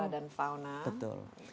dan segala macam flora dan fungsi